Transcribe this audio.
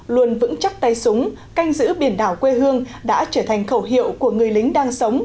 luôn vững chắc tay súng canh giữ biển đảo quê hương đã trở thành khẩu hiệu của người lính đang sống